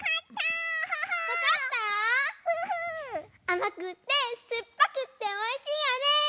あまくってすっぱくっておいしいよね！